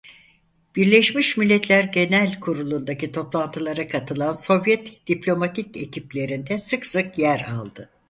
Birleşmiş Milletler Genel Kurulu'ndaki toplantılara katılan Sovyet diplomatik ekiplerinde sık sık yer aldı.